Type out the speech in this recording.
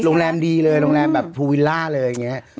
โรงแรมดีเลยโรงแรมแบบภูวิลล่าเลยอย่างนี้